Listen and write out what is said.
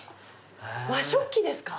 和食器ですか？